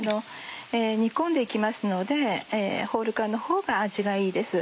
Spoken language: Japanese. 煮込んで行きますのでホール缶のほうが味がいいです。